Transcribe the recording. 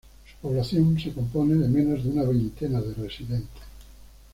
Su población se compone de menos de una veintena de residentes.